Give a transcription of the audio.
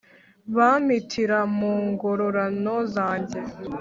Bampitira mu ngororano zanjye